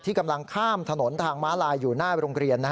กำลังข้ามถนนทางม้าลายอยู่หน้าโรงเรียน